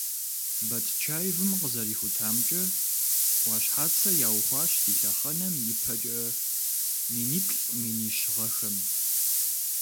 Батчаевым къызэрихутамкӀэ, Ӏуащхьацэ яухуащ ди лъэхъэнэм ипэкӀэ миниплӏ - минищ гъэхэм.